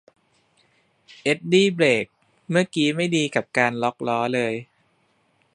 เอ็ดดี้เบรกเมื่อกี๊ไม่ดีกับการล็อคล้อเลย